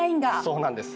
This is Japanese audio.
そうなんです。